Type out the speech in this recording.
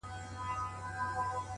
• چرګ چي ځوان سي پر بام ورو ورو ځي ,